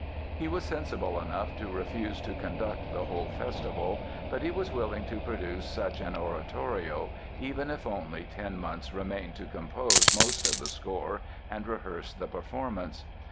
He was sensible enough to refuse to conduct the whole festival but he was willing to produce such an oratorio, even if only ten months remained to compose most of the score and rehearse the performance.